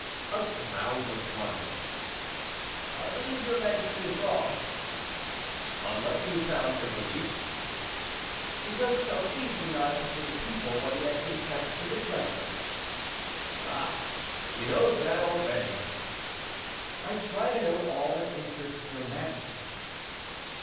"A groundless one." "I believe your majesty is wrong." "On what do you found your belief?" "Because Salcede denied before the people what he had confessed to the judges." "Ah! you know that, already." "I try to know all that interests your majesty."